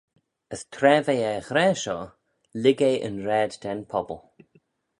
As tra v'eh er ghra shoh, lhig eh yn raad da'n pobble.